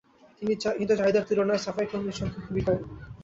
কিন্তু চাহিদার তুলনায় সাফাইকর্মীর সংখ্যা খুবই কম।